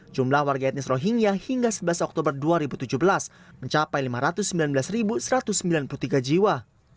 jumlah warga etnis rohingya hingga sebelas oktober dua ribu tujuh belas mencapai lima ratus sembilan belas satu ratus sembilan puluh tiga jiwa